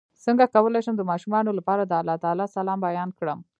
څنګه کولی شم د ماشومانو لپاره د الله تعالی سلام بیان کړم